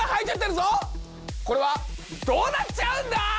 これはどうなっちゃうんだ！？